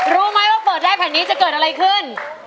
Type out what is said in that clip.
รู้ไหมว่าเปิดได้แผ่นนี้จะเกิดอะไรขึ้น